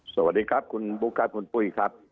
สวัสดีครับคุณบุ๊คครับคุณปุ้ยครับ